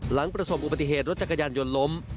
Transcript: หลังประสบอุบัติเหตุรถจักรยานยนต์ล้ม